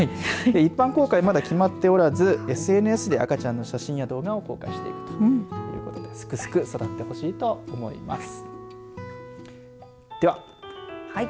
一般公開はまだ決まっておらずＳＮＳで赤ちゃんの動画を公開しているということですくすく育てほしいと思います。